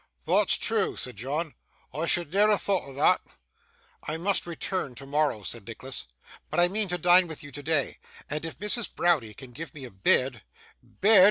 'Thot's true!' said John; 'I should ne'er ha' thought o' thot.' 'I must return tomorrow,' said Nicholas, 'but I mean to dine with you today, and if Mrs. Browdie can give me a bed ' 'Bed!